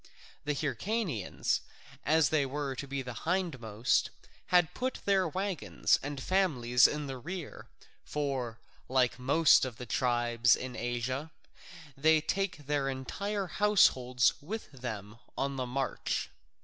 The Hyrcanians, as they were to be the hindmost, had put their waggons and families in the rear, for, like most of the tribes in Asia, they take their entire households with them on the march.